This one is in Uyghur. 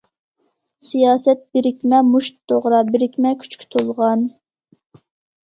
سىياسەت بىرىكمە مۇشت توغرا، بىرىكمە كۈچكە تولغان.